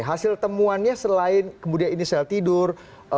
hasil temuannya selain kemudian ini sel tidur